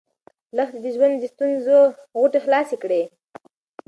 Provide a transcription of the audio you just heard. لښتې د ژوند د ستونزو غوټې خلاصې کړې.